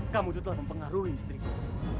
kamu itu telah mempengaruhi istriku